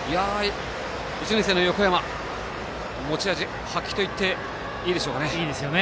１年生の横山持ち味発揮といっていいですよね。